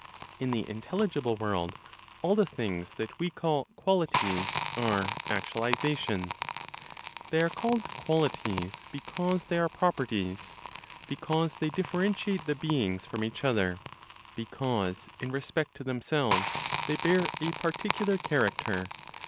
In the intelligible world all the things that we call qualities are actualizations. They are called qualities because they are properties, because they differentiate the beings from each other, because in respect to themselves they bear a particular character.